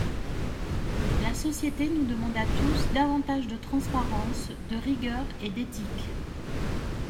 La société nous demande à tous davantage de transparence, de rigueur et d’éthique.